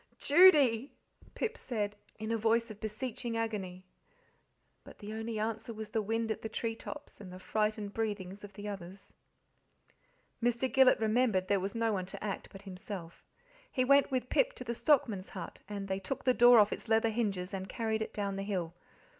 "Judy!" Pip said, in a voice of beseeching agony. But the only answer was the wind at the tree tops and the frightened breathings of the others. Mr. Gillet remembered there was no one to act but himself. He went with Pip to the stockman's hut; and they took the door off its leather hinges and carried it down the hill.